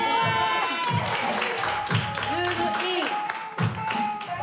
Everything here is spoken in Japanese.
『ズームイン！！』。